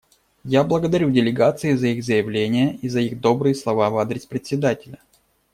Я благодарю делегации за их заявления и за их добрые слова в адрес Председателя.